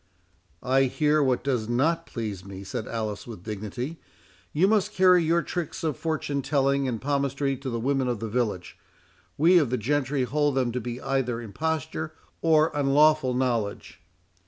"I hear what does not please me," said Alice, with dignity; "you must carry your tricks of fortune telling and palmistry to the women of the village.—We of the gentry hold them to be either imposture or unlawful knowledge."